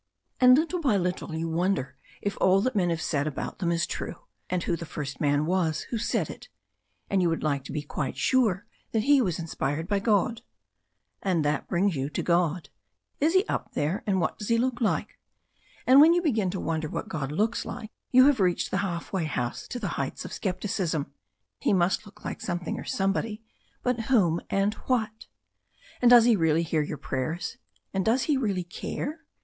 And little by little you wonder if all that men have said about them is true, and who the first man was who said it. And you would like to be quite sure that he was inspired by God. And that brings you to God. Is he up there, and what does he look like? And when you begin to wonder what God looks like you have reached the half way house to the heights of scepticism. He must look like something or some body, but whom and what? And does he really hear your prayers, and does he really care?